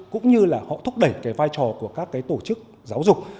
cũng như là họ thúc đẩy vai trò của các tổ chức giáo dục